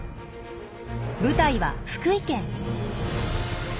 舞台は福井県。